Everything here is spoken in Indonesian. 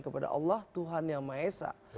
kepada allah tuhan yang ma'esah